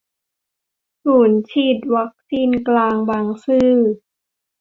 ศูนย์ฉีดวัคซีนกลางบางซื่อ